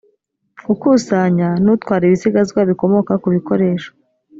ukusanya n utwara ibisigazwa bikomoka ku bikoresho